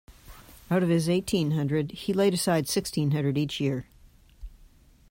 Out of his eighteen hundred, he laid aside sixteen hundred each year.